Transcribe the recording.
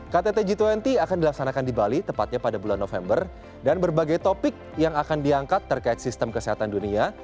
ktt g dua puluh akan dilaksanakan di bali tepatnya pada bulan november dan berbagai topik yang akan diangkat terkait sistem kesehatan dunia